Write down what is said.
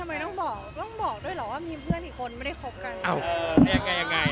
ไม่แล้วหนูก็บอกเฮียว่าก็เป็นเพื่อนทำไมต้องบอก